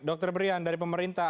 dr brian dari pemerintah